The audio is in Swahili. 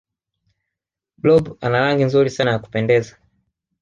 blob ana rangi nzuri sana ya kupendeza